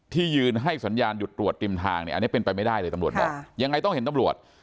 ที่ยืนให้สัญญาณหยุดตรวจริมทางเนี่ยอันนี้เป็นไปไม่ได้เลยตำรวจบอกยังไงต้องเห็นตำรวจ